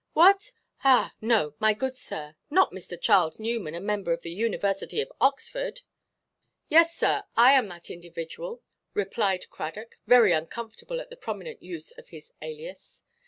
"What! Ah, no, my good sir, not Mr. Charles Newman, a member of the University of Oxford!" "Yes, sir, I am that individual," replied Cradock, very uncomfortable at the prominent use of his "alias."